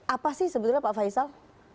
apa sih sebetulnya pak faisal